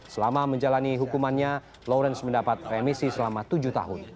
selama menjalani hukumannya lawrence mendapat remisi selama tujuh tahun